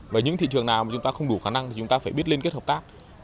và những thị trường nào chúng ta không đủ khả năng thì chúng ta phải biết liên kết hợp tác